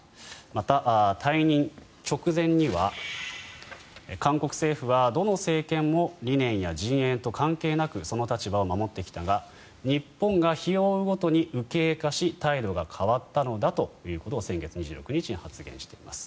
また、退任直前には韓国政府はどの政権も理念や陣営と関係なくその立場を守ってきたが日本が日を追うごとに右傾化し態度が変わったのだということを先月２６日に発言しています。